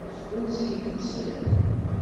Seg wansi ay d-usan?